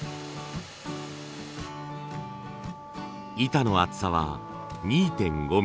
板の厚さは２．５ミリ。